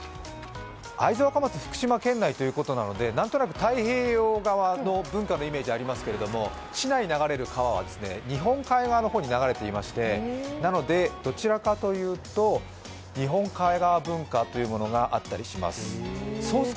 会津若松は福島県内ということで、何となく太平洋側の文化のイメージありますけれども市内流れる川は日本海側の方に流れていまして、なのでどちらかというと日本海側文化というものがあったりします。